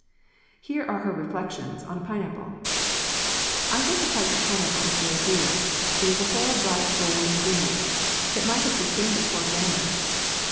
Here are her reflections on a pineapple: "I think the price of a pineapple is very dear: it is a whole bright goulden guinea, that might have sustained a poor family."